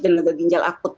dan gagal ginjal akut